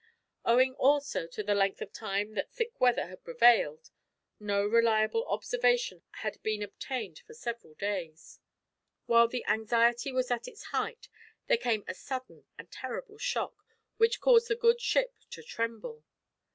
Owing, also, to the length of time that thick weather had prevailed, no reliable observation had been obtained for several days. While the anxiety was at its height, there came a sudden and terrible shock, which caused the good ship to tremble.